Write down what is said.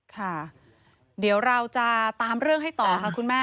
ค่ะเดี๋ยวเราจะตามเรื่องให้ต่อค่ะคุณแม่